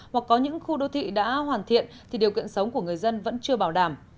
hoặc có những khu đô thị đã hoàn thiện thì điều kiện sống của người dân vẫn chưa bảo đảm